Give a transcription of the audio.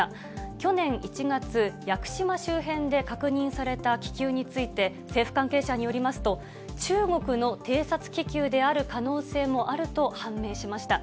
去年１月、屋久島周辺で確認された気球について、政府関係者によりますと、中国の偵察気球である可能性もあると判明しました。